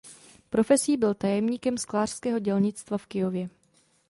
Profesí byl tajemníkem sklářského dělnictva v Kyjově.